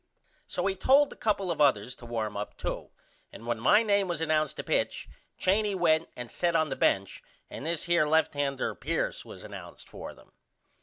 So he told a couple others to warm up to and when my name was announced to pitch Cheney went and set on the bench and this here left hander Pierce was announced for them.